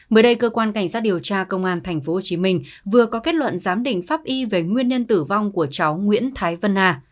mới đây cơ quan cảnh sát điều tra công an tp hcm vừa có kết luận giám định pháp y về nguyên nhân tử vong của cháu nguyễn thái vân a